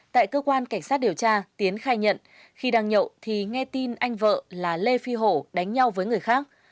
tại cơ quan cảnh sát điều tra tiến khai nhận khi đang nhậu thì nghe tin anh vợ là lê phi hổ đánh nhau với người khác